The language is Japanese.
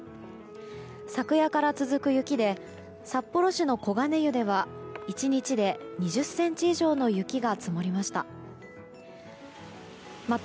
昨夜から続く雪で札幌市の小金湯では１日で２０ｃｍ以上の雪が積もりました。